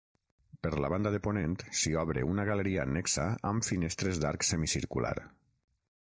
Per la banda de ponent s'hi obre una galeria annexa amb finestres d'arc semicircular.